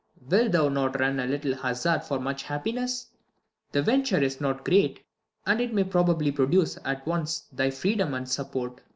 Wilt thou not run a little hazard for Much happiness ? The venture is not great ; And it may probably produce at once Thy freedom and support.